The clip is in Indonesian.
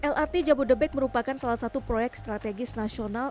lrt jabodebek merupakan salah satu proyek strategis nasional